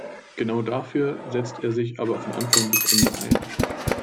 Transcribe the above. Genau dafür setzt er sich aber von Anfang bis Ende ein.